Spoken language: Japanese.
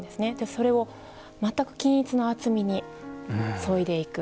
それを全く均一の厚みにそいでいく。